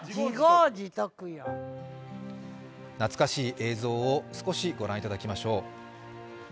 懐かしい映像を少し御覧頂きましょう。